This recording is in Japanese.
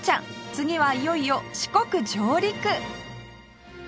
次はいよいよ四国上陸！